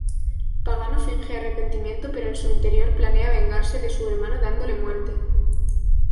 Pagano finge arrepentimiento pero en su interior planea vengarse de su hermano dándole muerte.